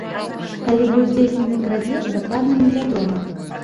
Калі быў здзейснены крадзеж, дакладна невядома.